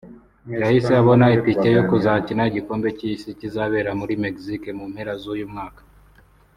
yahise abona itike yo kuzakina igikombe cy’isi kizabera muri Mexique mu mpera z’uyu mwaka